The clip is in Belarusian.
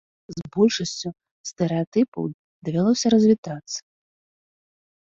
З большасцю стэрэатыпаў давялося развітацца.